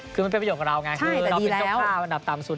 คือมันเป็นประโยชนกับเราไงคือเราเป็นเจ้าภาพอันดับต่ำสุด